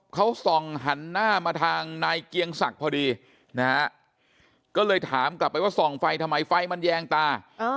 เขาส่องหันหน้ามาทางนายเกียงศักดิ์พอดีนะฮะก็เลยถามกลับไปว่าส่องไฟทำไมไฟมันแยงตา